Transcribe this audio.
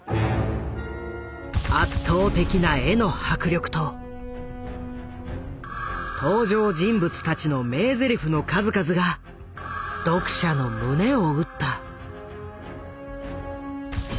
圧倒的な絵の迫力と登場人物たちの名ゼリフの数々が読者の胸を打った。